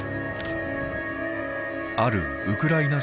あるウクライナ